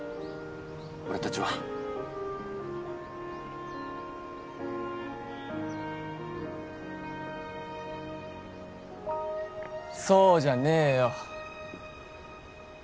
俺達はそうじゃねえよ